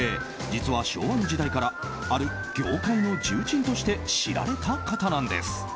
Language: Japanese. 実は昭和の時代からある業界の重鎮として知られた方なんです。